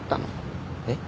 えっ？